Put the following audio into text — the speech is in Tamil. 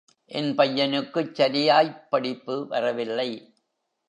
என் பையனுக்குச் சரியாய்ப் படிப்பு வரவில்லை.